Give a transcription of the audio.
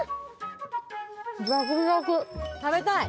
食べたい！